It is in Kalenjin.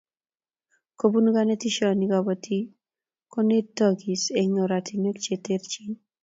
Kobun konetishioni kobotik konetokis eng oratinwek che terchin